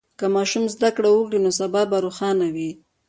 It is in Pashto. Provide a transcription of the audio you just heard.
که ماشوم زده کړه وکړي، نو سبا به روښانه وي.